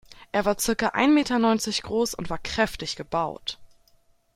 Er war circa ein Meter neunzig groß und war kräftig gebaut.